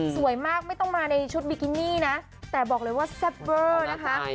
สวยมากไม่ต้องมาในชุดบิกินี่นะแต่บอกเลยว่าแซ่บเวอร์นะคะ